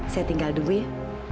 saya tinggal dulu ya